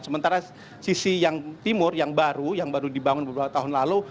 sementara sisi yang timur yang baru yang baru dibangun beberapa tahun lalu